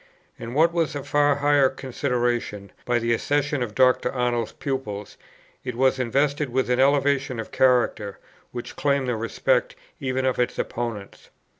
And, what was a far higher consideration, by the accession of Dr. Arnold's pupils, it was invested with an elevation of character which claimed the respect even of its opponents.